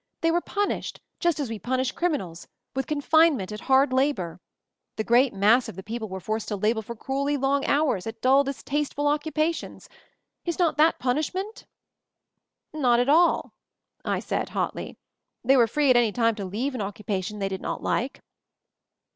They were pun ished, just as we punish criminals — with confinement at hard labor. The great mass of the people were forced to labor for cruelly long hours at dull, distasteful occupations; is not that punishment?" "Not at all," I said hotly. "They were free at any time to leave an occupation they did not like."